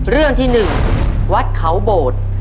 เรื่องที่๑วัดเขาโบด